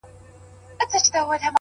د خاموش پارک فضا د ذهن سرعت کموي